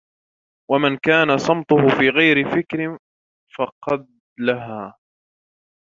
وَمَنْ كَانَ صَمْتُهُ فِي غَيْرِ فِكْرٍ فَقَدْ لَهَا